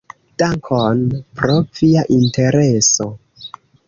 Dankon pro via intereso!